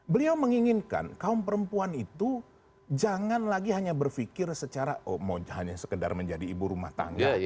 beliau menginginkan kaum perempuan itu jangan lagi hanya berpikir secara oh mau hanya sekedar menjadi ibu rumah tangga